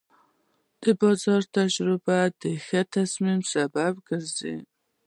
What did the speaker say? د بازار تجربه د ښه تصمیم سبب ګرځي.